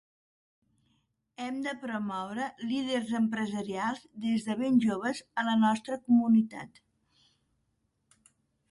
Hem de promoure líders empresarials des de ben joves a la nostra comunitat.